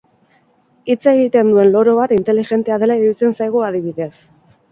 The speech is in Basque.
Hitz egiten duen loro bat inteligentea dela iruditzen zaigu, adibidez.